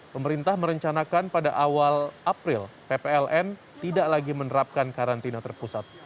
pemerintah merencanakan pada awal april ppln tidak lagi menerapkan karantina terpusat